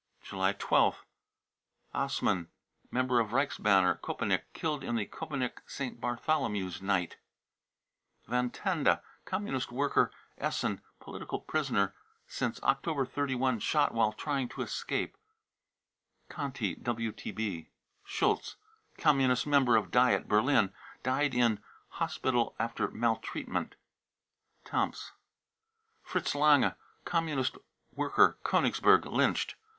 July 1 2th. assmann, member of Reichsbanner, Kopenick, killed in the Kopenick " St. Bartholomew's night." (See report] van tende, Communist worker, Essen, political prisoner since October 1931, shot " while trying to escape." (Conti* j WTB.) schulz, Communist member of Diet, Berlin, died in' hospital after maltreatment. (Temps.) fritz lange, Communist worker, Konigsberg, lynched.